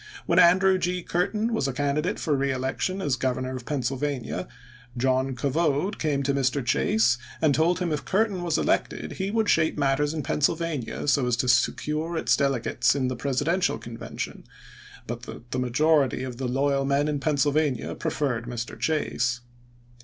When Andrew G. Curtin was a candidate for reelection as governor of Penn sylvania, John Covode came to Mr. Chase and told him if Curtin was elected he would shape matters in Pennsylvania so as to secure its dele gates in the Presidential convention, but that the majority of the loyal men in Pennsylvania pre ferred Mr. Chase.